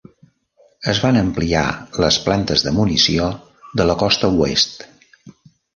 Es van ampliar les plantes de munició de la costa oest.